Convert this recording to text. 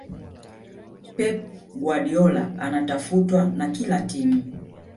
pep guardiola anatafutwa na kila timu